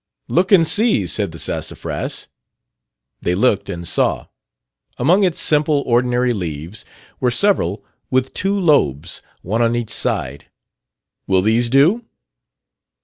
"'Look and see,' said the Sassafras. "They looked and saw. Among its simple ordinary leaves were several with two lobes one on each side. 'Will these do?'